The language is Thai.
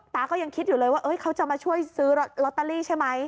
ตาก็ยังคิดอยู่เลยว่าเขาจะมาช่วยซื้อลอตเตอรี่ใช่ไหม